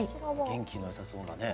元気のよさそうなね。